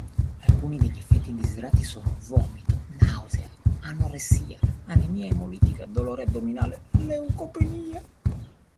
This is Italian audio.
Alcuni degli effetti indesiderati sono vomito, nausea, anoressia, anemia emolitica, dolore addominale, leucopenia.